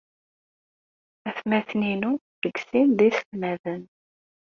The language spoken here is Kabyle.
Aytmaten-inu deg sin d iselmaden.